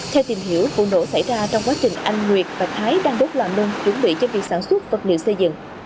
theo tìm hiểu vụ nổ xảy ra trong quá trình anh nguyệt và thái đang đốt làm nông chuẩn bị cho việc sản xuất vật liệu xây dựng